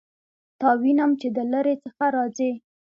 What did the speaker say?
تا وینم چې د لیرې څخه راځې